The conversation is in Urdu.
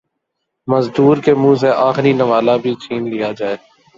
مزدور کے منہ سے آخری نوالہ بھی چھین لیا جائے